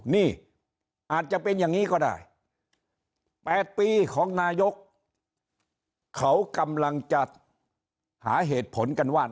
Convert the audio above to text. นี่อาจจะเป็นอย่างนี้ก็ได้๘ปีของนายกเขากำลังจะหาเหตุผลกันว่า